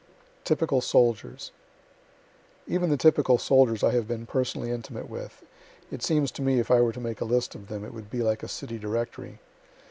TYPICAL SOLDIERS Even the typical soldiers I have been personally intimate with, it seems to me if I were to make a list of them it would be like a city directory.